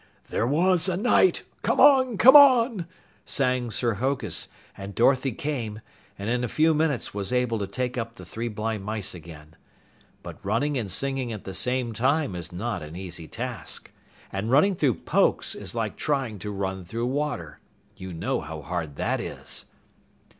"There was a Knight! Come on, come on!" sang Sir Hokus, and Dorothy came, and in a few minutes was able to take up the "Three Blind Mice" again. But running and singing at the same time is not an easy task. And running through Pokes is like trying to run through water. (You know how hard that is?)